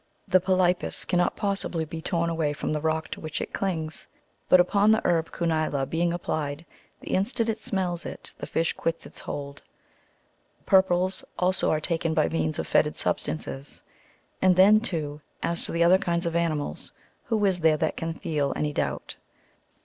The polypus cannot possibly be torn away from the rock to which it clings ; but upon the herb cunila^^ being applied, the instant it smells it the fish quits its hold. Purples also are taken by means of fetid substances. And then, too, as to the other kinds of animals, who is there that can feel any doubt?